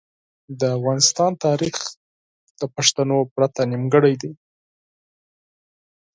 د افغانستان تاریخ له پښتنو پرته نیمګړی دی.